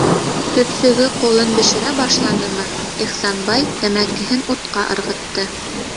Төпсөгө ҡулын бешерә башланымы, Ихсанбай тәмәкеһен утҡа ырғытты.